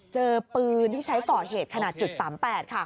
เจอปืนที่ใช้ก่อเหตุขนาด๓๘ค่ะ